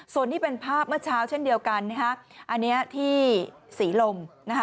ส่วนนี้เป็นภาพเมื่อเช้าเช่นเดียวกันอันนี้ที่ศรีลม